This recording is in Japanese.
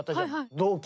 同期？